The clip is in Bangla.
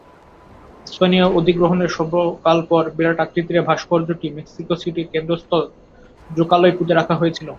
স্পেনীয় অধিগ্রহণের স্বল্পকাল পর বিরাট আকৃতির এ ভাস্কর্যটি মেক্সিকো সিটির কেন্দ্রস্থল জোকালোয় পুঁতে রাখা হয়েছিল।